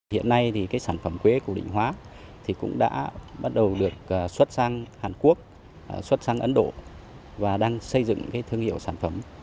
hiện nay sản phẩm quế của định hóa cũng đã bắt đầu được xuất sang hàn quốc xuất sang ấn độ và đang xây dựng thương hiệu sản phẩm